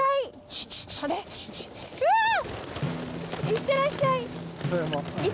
いってらっしゃい！